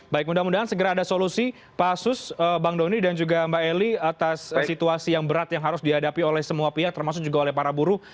baik mudah mudahan segera ada solusi pak asus bang doni dan juga mbak eli atas situasi yang berat yang harus dihadapi oleh semua pihak termasuk juga oleh para buruh